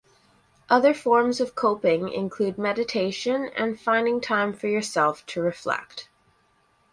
Other forms of coping include meditation and finding time for yourself to reflect.